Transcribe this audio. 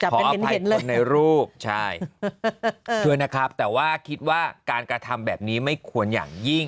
ขออภัยคนในรูปใช่ช่วยนะครับแต่ว่าคิดว่าการกระทำแบบนี้ไม่ควรอย่างยิ่ง